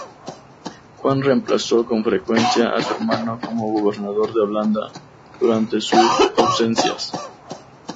Juan reemplazó con frecuencia a su hermano como gobernador de Holanda, durante sus ausencias.